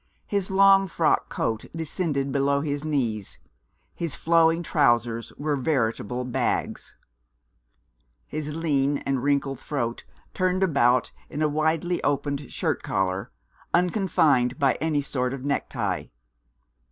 His long frock coat descended below his knees; his flowing trousers were veritable bags; his lean and wrinkled throat turned about in a widely opened shirt collar, unconfined by any sort of neck tie.